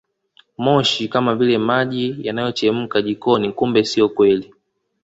Moshi kama vile maji yanayochemka jikoni kumbe sio kweli